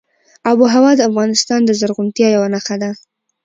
آب وهوا د افغانستان د زرغونتیا یوه نښه ده.